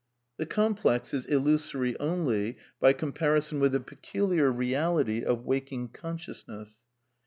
The complex is illusory only by comparison with the pe culiar reality of waking consciousness.